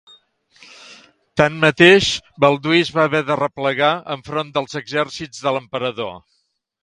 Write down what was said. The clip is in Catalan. Tanmateix, Balduí es va haver de replegar enfront dels exèrcits de l'emperador.